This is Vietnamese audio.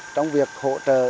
trong việc hỗ trợ